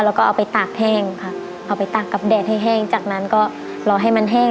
แล้วก็เอาไปตากแห้งค่ะเอาไปตากกับแดดให้แห้งจากนั้นก็รอให้มันแห้ง